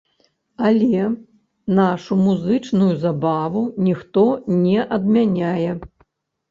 Але нашу музычную забаву ніхто не адмяняе.